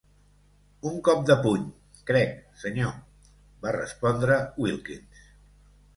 "Un cop de puny, crec, senyor", va respondre Wilkins.